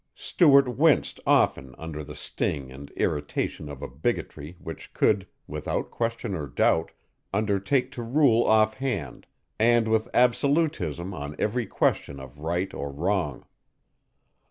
Stuart winced often under the sting and irritation of a bigotry which could, without question or doubt, undertake to rule offhand and with absolutism on every question of right or wrong.